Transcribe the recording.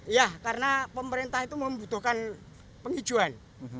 iya karena pemerintah itu membutuhkan penghijauan